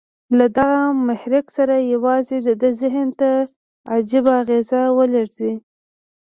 له دغه محرک سره یو ځای د ده ذهن ته عجيبه اغېز ولېږدېد